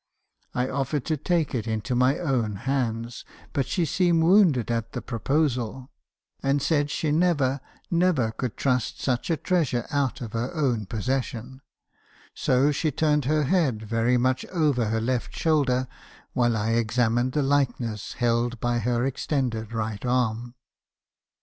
I offered to take it into my own hands, but she seemed wounded at the proposal, and said she never, never could trust such a treasure out of her own possession; so she turned her head very much over her left shoulder, while I examined the likeness held by her extended right arm.